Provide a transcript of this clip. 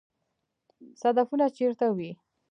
صدفونه چیرته وي؟